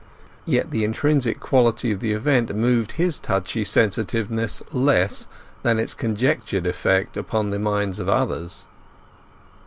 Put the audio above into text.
Yet the intrinsic quality of the event moved his touchy sensitiveness less than its conjectured effect upon the minds of others.